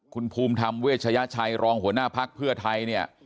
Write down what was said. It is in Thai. คุณภูมิธรรมเวชยชัยรองหัวหน้าภักดิ์เพื่อไทยเนี่ย